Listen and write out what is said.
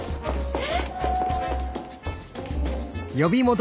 えっ！？